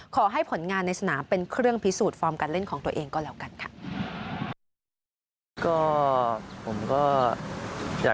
ขอให้ผลงานในสนามเป็นเครื่องพิสูจน์ฟอร์มการเล่นของตัวเองก็แล้วกันค่ะ